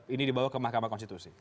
ini dibawa ke mahkamah konstitusi